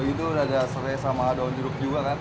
itu udah ada serai sama daun jeruk juga kan